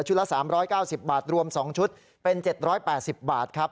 ชุดละ๓๙๐บาทรวม๒ชุดเป็น๗๘๐บาท